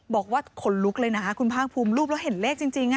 บอกว่าขนลุกเลยนะคุณภาคภูมิรูปแล้วเห็นเลขจริง